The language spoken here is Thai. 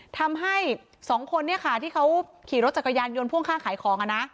ทำให้สองคนเนี่ยค่ะที่เขาขี่รถจักรยานยนต์พ่วงข้างขายของ